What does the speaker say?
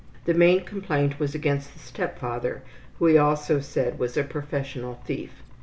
The main complaint was against the step father, who he also said was a professional thief.